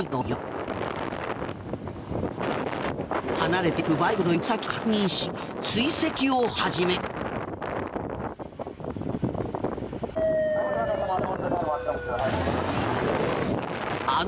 離れていくバイクの行く先を確認し追跡を始める。